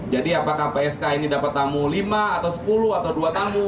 jadi apakah psk ini dapat tamu lima atau sepuluh atau dua tamu